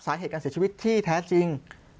สาเหตุการเสียชีวิตที่แท้จริง